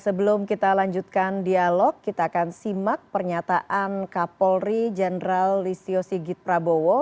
sebelum kita lanjutkan dialog kita akan simak pernyataan kapolri jenderal listio sigit prabowo